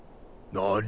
何？